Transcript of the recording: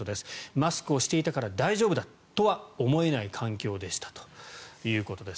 マスクをしていたから大丈夫だとは思えない環境でしたということです。